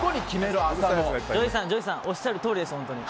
ＪＯＹさんおっしゃるとおりです、本当に。